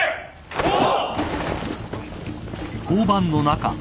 おう！